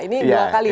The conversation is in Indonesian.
ini dua kali